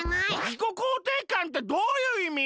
自己肯定感ってどういう意味？